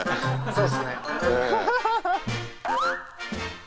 そうですね。